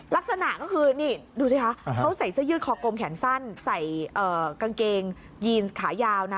ลักษณะก็คือนี่ดูสิคะเขาใส่เสื้อยืดคอกลมแขนสั้นใส่กางเกงยีนขายาวนะ